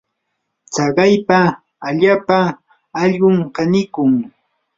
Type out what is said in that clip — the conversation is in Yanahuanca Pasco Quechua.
tsakaypa allaapa allqum kanikun.